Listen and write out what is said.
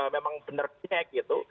memang benar cek gitu